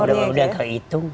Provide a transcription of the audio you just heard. udah nggak kehitung